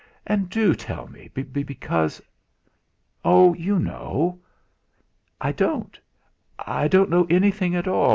And do tell me, because " "Oh! you know." "I don't I don't know anything at all.